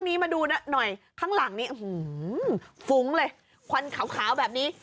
ข้างนี้มาดูหน่อยข้างหลังนี้ฟุ้งเลยควันขาวแบบนี้